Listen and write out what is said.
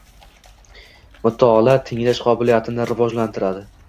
Mutolaa tinglash qobiliyatini rivojlantiradi.